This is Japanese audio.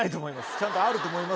ちゃんとあると思いますよ。